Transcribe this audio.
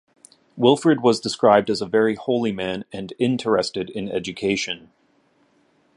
Wilfrid was described as a very holy man, and interested in education.